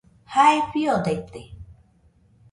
Jae fiodaite